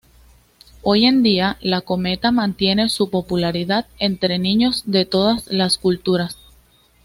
Hoy en día, la cometa mantiene su popularidad entre niños de todas las culturas.